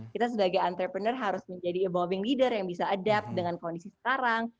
kita sebagai entrepreneur harus menjadi bolving leader yang bisa adapt dengan kondisi sekarang